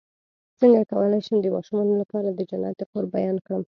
څنګه کولی شم د ماشومانو لپاره د جنت د قرب بیان کړم